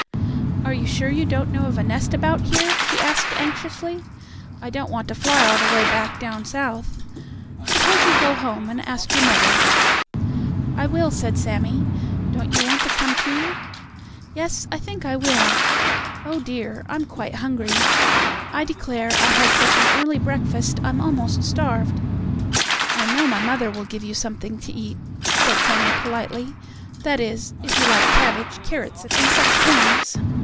"Are you sure you don't know of a nest about here?" she asked anxiously. "I don't want to fly all the way back down South. Suppose you go home and ask your mother." "I will," said Sammie. "Don't you want to come, too?" "Yes, I think I will. Oh, dear! I'm quite hungry. I declare, I had such an early breakfast, I'm almost starved." "I know my mother will give you something to eat," said Sammie politely, "that is, if you like cabbage, carrots and such things."